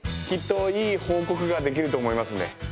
きっといい報告ができると思いますんで。